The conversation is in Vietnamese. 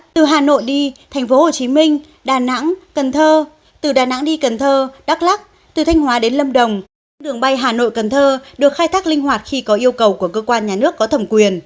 từ hà nội đi tp hcm đà nẵng cần thơ từ đà nẵng đi cần thơ đắk lắc từ thanh hóa đến lâm đồng những đường bay hà nội cần thơ được khai thác linh hoạt khi có yêu cầu của cơ quan nhà nước có thẩm quyền